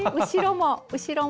後ろも。